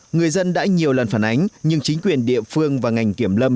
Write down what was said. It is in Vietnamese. người dân đã nhiều lần phản ánh nhưng chính quyền địa phương và ngành kiểm lâm